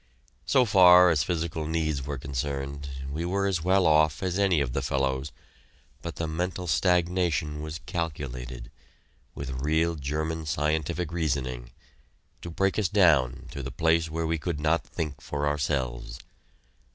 So far as physical needs were concerned, we were as well off as any of the fellows, but the mental stagnation was calculated, with real German scientific reasoning, to break us down to the place where we could not think for ourselves.